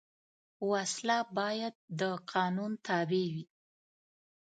وسله باید د قانون تابع وي